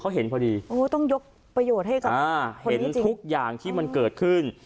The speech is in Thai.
เขาเห็นพอดีโอ้ต้องยกประโยชน์ให้กับอ่าเห็นทุกอย่างที่มันเกิดขึ้น